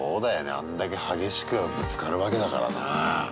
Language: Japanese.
あんだけ激しくぶつかるわけだからね。